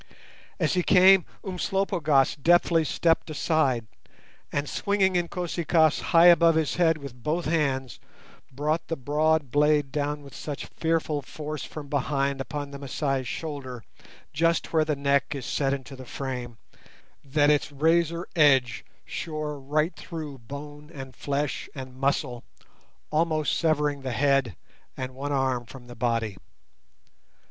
As he came, Umslopogaas deftly stepped aside, and swinging Inkosi kaas high above his head with both hands, brought the broad blade down with such fearful force from behind upon the Masai's shoulder just where the neck is set into the frame, that its razor edge shore right through bone and flesh and muscle, almost severing the head and one arm from the body.